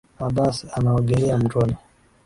Abbas anaogelea mtoni.